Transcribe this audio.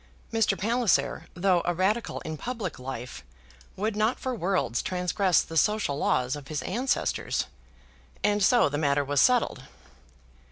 Mr. Palliser, though a Radical in public life, would not for worlds transgress the social laws of his ancestors; and so the matter was settled.